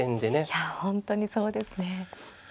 いや本当にそうですね。